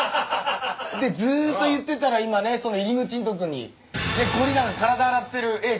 でずっと言ってたら今ねその入り口のとこにゴリラが体洗ってる絵飾ってありましたね。